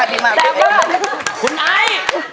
นี่ครับ